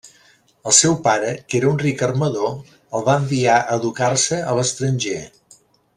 El seu pare, que era un ric armador, el va enviar a educar-se a l'estranger.